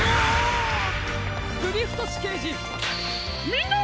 みんな！